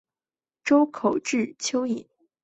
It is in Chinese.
围口冠蛭蚓为蛭蚓科冠蛭蚓属的动物。